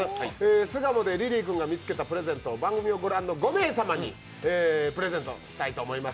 巣鴨でリリー君が見つけたプレゼント、番組を御覧の５名様にプレゼントしたいと思います。